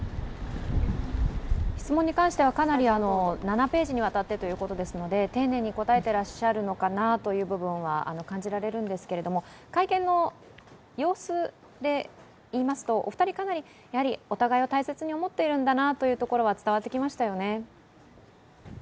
質問に関しては７ページにわたってということですので丁寧に答えてらっしゃるのかなという部分は感じられるんですけど会見の様子でいいますと、お二人、かなりお互いを大切に思っているんだなというところは伝わってきましたよね。